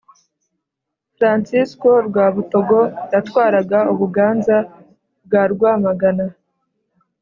Fransisko Rwabutogo yatwaraga Ubuganza bwa Rwamagana.